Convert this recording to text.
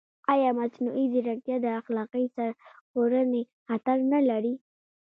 ایا مصنوعي ځیرکتیا د اخلاقي سرغړونې خطر نه لري؟